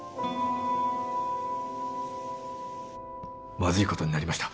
・まずいことになりました